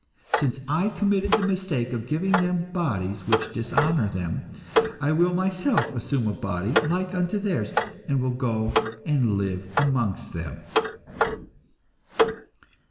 Since I committed the mistake of giving them bodies which dishonour them, I will myself assume a body like unto theirs, and will go and live amongst them.